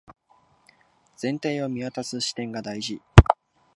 全体を見渡す視点が大事